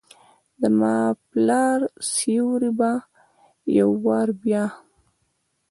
زماد پلار سیوری به ، یو وارې بیا،